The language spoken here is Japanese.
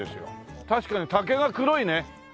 確かに竹が黒いね。